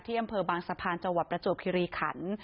ที่อำเภอบางสะพานจวบประจวบฏีรีขันต์